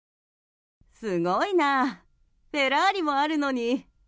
すごいなフェラーリもあるのに。